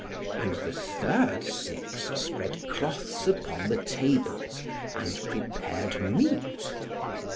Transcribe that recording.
And the third six spread cloths upon the tables, and prepared meat.